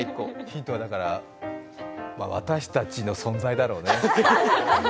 ヒントはだから、私たちの存在だろうね。